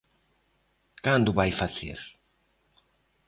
¿Cando o vai facer?